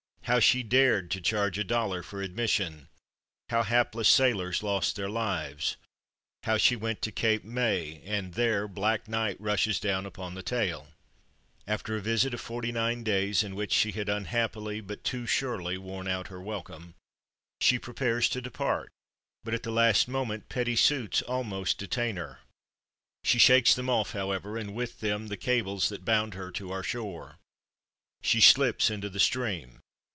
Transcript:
How she dared to charge a dollar for admission how hapless sailors lost their lives how she went to Cape May and there black night rushes down upon the tale. After a visit of forty nine days, in which she had unhappily, but too surely, worn out her welcome, she prepares to depart. But at the last moment petty suits almost detain her. She shakes them off, however, and with them the cables that bound her to our shore. She slips into the stream.